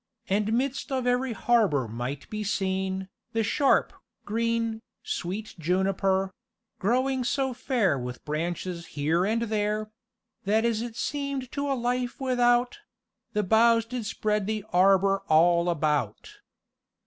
And midst of every harbour might be seen The sharpe, green, sweet juniper, Growing so fair with branches here and there, That as it seemed to a lyf without The boughs did spread the arbour all about."